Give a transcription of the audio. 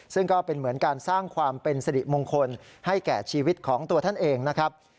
ซึ่งก็เป็นเหมือนการสร้างความเป็นสริมงคลให้แก่ชีวิตของตัวท่านเองนะครับ